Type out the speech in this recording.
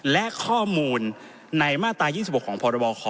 และข้อมูลในมาตรา๒๖ของพรบค